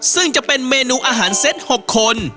ซึ่งจะเป็นเมนูอาหารเซ็ต๖คน